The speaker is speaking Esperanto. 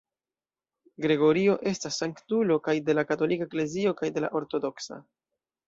Gregorio estas sanktulo kaj de la katolika eklezio kaj de la ortodoksa.